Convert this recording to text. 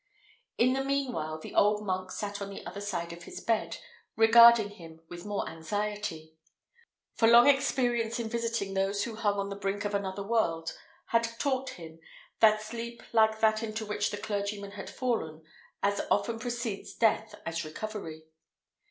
In the mean while the old monk sat on the other side of his bed, regarding him with more anxiety; for long experience in visiting those who hung upon the brink of another world tad taught him, that sleep like that into which the clergyman had fallen as often precedes death as recovery.